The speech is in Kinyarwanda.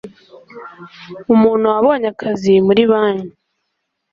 umuntu wabonye akazi muri banki,